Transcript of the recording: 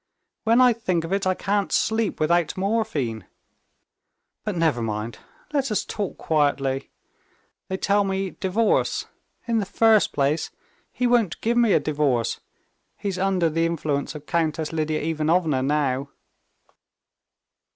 "When I think of it, I can't sleep without morphine. But never mind. Let us talk quietly. They tell me, divorce. In the first place, he won't give me a divorce. He's under the influence of Countess Lidia Ivanovna now."